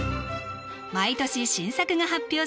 毎年新作が発表され